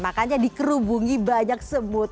makanya dikerubungi banyak sebut